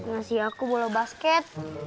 ngasih aku bola basket